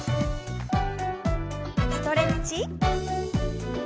ストレッチ。